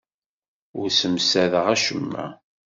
Ur ssemsadeɣ acemma.